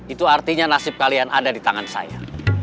itu artinya nasib kalian ada di tangan saya